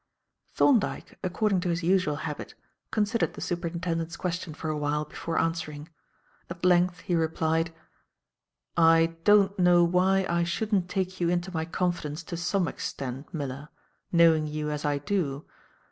Thorndyke, according to his usual habit, considered the Superintendent's question for awhile before answering. At length he replied: "I don't know why I shouldn't take you into my confidence to some extent, Miller, knowing you as I do.